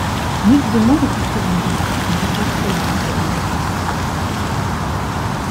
Nick demande où se trouve Angela mais Ricarte lui dit qu'elle est morte.